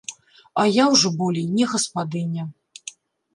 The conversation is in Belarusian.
А я ўжо болей не гаспадыня.